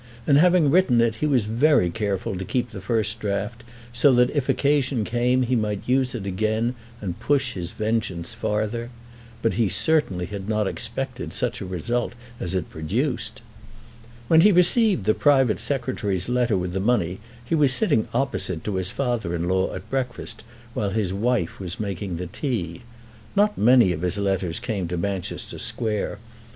And having written it he was very careful to keep the first draft, so that if occasion came he might use it again and push his vengeance farther. But he certainly had not expected such a result as it produced. When he received the private Secretary's letter with the money he was sitting opposite to his father in law at breakfast, while his wife was making the tea. Not many of his letters came to Manchester Square.